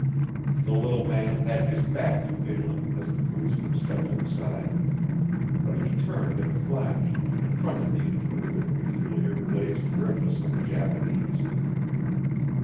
The little man had his back to Phelan as the policeman stepped inside, but he turned in a flash and confronted the intruder with the peculiar glazed grimness of the Japanese.